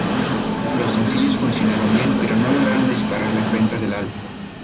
Los sencillos funcionaron bien pero no lograron disparar las ventas del álbum.